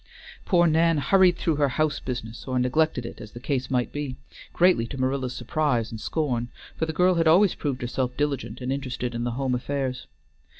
Poor Nan hurried through her house business, or neglected it, as the case might be, greatly to Manila's surprise and scorn, for the girl had always proved herself diligent and interested in the home affairs.